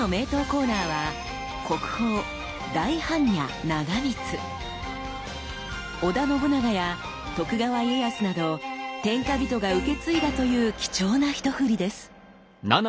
コーナーは織田信長や徳川家康など天下人が受け継いだという貴重なひとふりです。